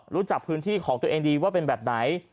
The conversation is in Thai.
รู้จักพื้นที่ของตัวเองดีว่าเป็นแบบไหน